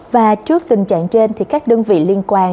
và trước tình trạng trên thì các đơn vị liên quan